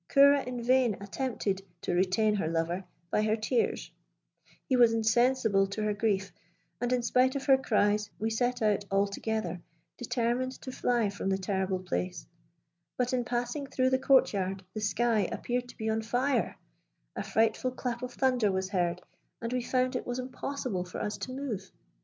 Ceora in vain attempted to retain her lover by her tears; he was insensible to her grief, and in spite of her cries, we set out all together, determined to fly from the terrible place, but in passing through the court yard, the sky appeared to be on fire; a frightful clap of thunder was heard, and we found it was impossible for us to move.